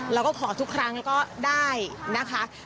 แล้วก็ขอทุกครั้งก็ได้นะคะ